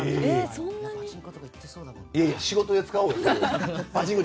パチンコとか行ってそうだもんな。